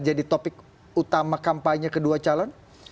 jadi topik utama kampanye kedua calon